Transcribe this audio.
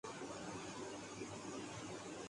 election ہونے والے تھے